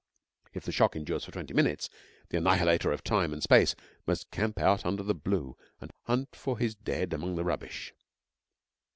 If the shock endures for twenty minutes, the annihilator of time and space must camp out under the blue and hunt for his dead among the rubbish.